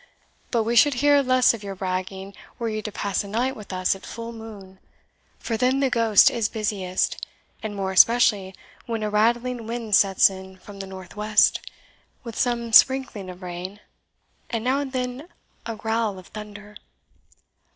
But we should hear less of your bragging were you to pass a night with us at full moon; for then the ghost is busiest, and more especially when a rattling wind sets in from the north west, with some sprinkling of rain, and now and then a growl of thunder.